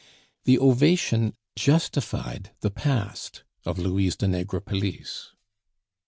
The ovation justified the past of Louise de Negrepelisse.